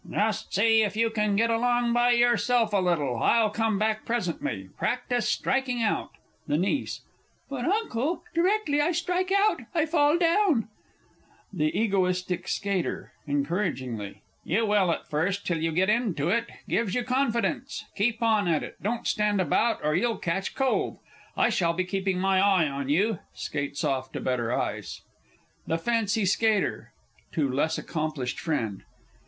Just see if you can get along by yourself a little I'll come back presently. Practise striking out. THE NIECE. But, Uncle, directly I strike out, I fall down! THE E. S. (encouragingly). You will at first, till you get into it gives you confidence. Keep on at it don't stand about, or you'll catch cold. I shall be keeping my eye on you! [Skates off to better ice. THE FANCY SKATER (to less accomplished FRIEND).